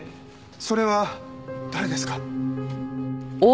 それは誰ですか？